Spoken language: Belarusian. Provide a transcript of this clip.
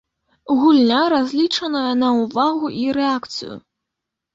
Гульня разлічаная на ўвагу і рэакцыю.